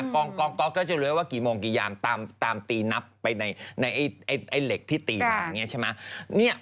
กองก๊อกก็จะรู้ว่ากี่โมงกี่ยามตามตีนับไปในเหล็กที่ตีมาอย่างนี้ใช่ไหม